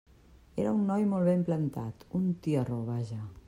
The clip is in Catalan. Era un noi molt ben plantat, un tiarró, vaja.